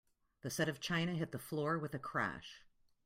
The set of china hit the floor with a crash.